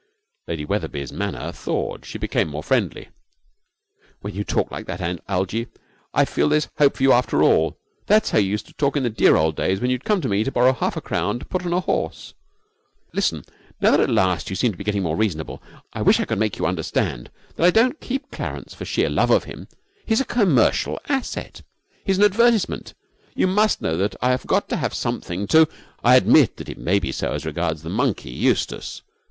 Lady Wetherby's manner thawed. She became more friendly. 'When you talk like that, Algie, I feel there's hope for you after all. That's how you used to talk in the dear old days when you'd come to me to borrow half a crown to put on a horse! Listen, now that at last you seem to be getting more reasonable; I wish I could make you understand that I don't keep Clarence for sheer love of him. He's a commercial asset. He's an advertisement. You must know that I have got to have something to ' 'I admit that may be so as regards the monkey, Eustace.